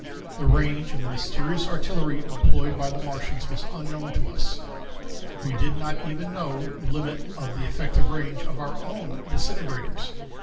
The range of the mysterious artillery employed by the Martians was unknown to us. We did not even know the limit of the effective range of our own disintegrators.